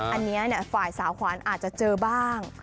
อันนี้ฝ่ายสาวขวานอาจจะเจอบ้าง